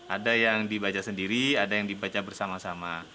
ada yang dibaca sendiri ada yang dibaca bersama sama